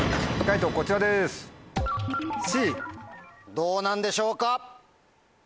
どうなんでしょうか？